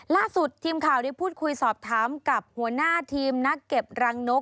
ล่าสุดทีมข่าวได้พูดคุยสอบถามกับหัวหน้าทีมนักเก็บรังนก